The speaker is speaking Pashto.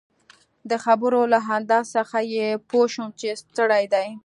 د خبرو له انداز څخه يې پوه شوم چي ستړی دی.